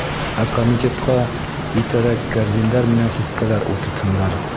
Ә комитетҡа етәрәк кәрзиндәр менән сәскәләр ултыртһындар.